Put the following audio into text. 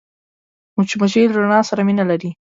مچمچۍ له رڼا سره مینه لري